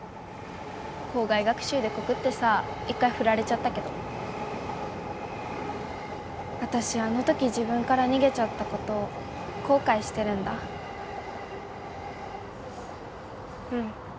校外学習で告ってさ一回フラれちゃったけど私あのとき自分から逃げちゃったこと後悔してるんだうん